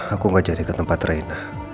aku gak jadi ke tempat raina